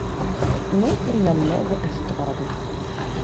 Ну і нямнога эстрады.